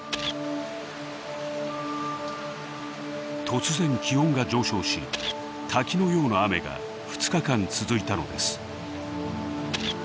突然気温が上昇し滝のような雨が２日間続いたのです。